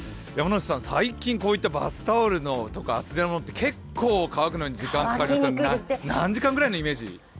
最近バスタオルや厚手のものって、結構乾くのに時間がかかりますが何時間ぐらいのイメージ？